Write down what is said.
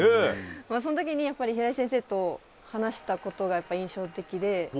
その時に平井先生と話したことが印象的で。